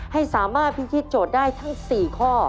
ให้สามารถพิธีโจทย์ได้ทั้ง๔ข้อ